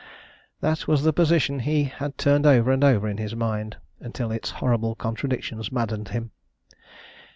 That was the position he had turned over and over in his mind until its horrible contradictions maddened him.